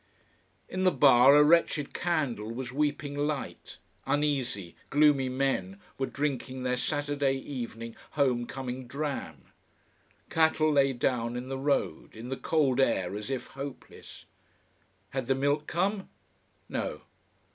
In the bar a wretched candle was weeping light uneasy, gloomy men were drinking their Saturday evening home coming dram. Cattle lay down in the road, in the cold air as if hopeless. Had the milk come? No.